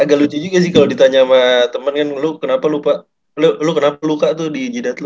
agak lucu juga sih kalau ditanya sama temen kan lu kenapa luka tuh di jidat lu